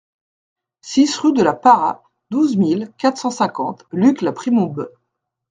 six rue de la Parra, douze mille quatre cent cinquante Luc-la-Primaube